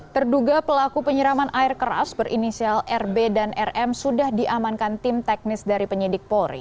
terduga pelaku penyiraman air keras berinisial rb dan rm sudah diamankan tim teknis dari penyidik polri